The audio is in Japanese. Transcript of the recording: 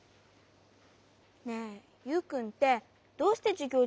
ねえユウくんってどうしてじゅぎょう